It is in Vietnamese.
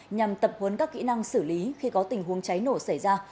nhằm tập huấn các kỹ năng xử lý khi có tình huống cháy nổ xảy ra